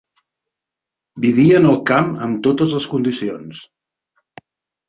Vivien al camp amb totes les condicions.